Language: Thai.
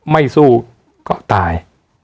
ไม่สู้ก็ตาย